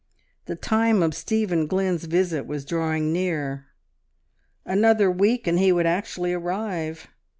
The time of Stephen Glynn's visit was drawing near; another week, and he would actually arrive.